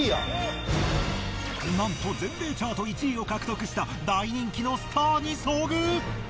なんと全米チャート１位を獲得した大人気のスターに遭遇！